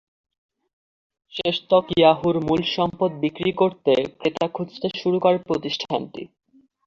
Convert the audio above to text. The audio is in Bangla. শেষতক ইয়াহুর মূল সম্পদ বিক্রি করতে ক্রেতা খুঁজতে শুরু করে প্রতিষ্ঠানটি।